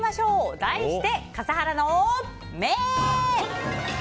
題して、笠原の眼！